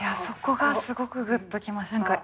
そこがすごくグッときました。